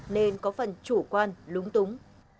nên có phần chủ quan lúng túng